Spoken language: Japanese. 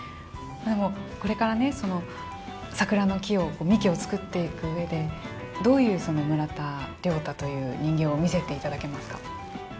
でも、これからねその桜の木を、幹を作っていく上で、どういうその村田諒太という人間を見せていただけますか。